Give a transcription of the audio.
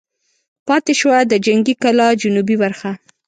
پاتې شوه د جنګي کلا جنوبي برخه.